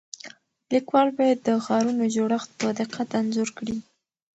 لیکوال باید د ښارونو جوړښت په دقت انځور کړي.